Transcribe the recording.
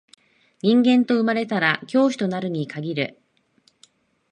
人間と生まれたら教師となるに限る